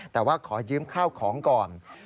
แต่ว่าขอยืมข้าวของก่อน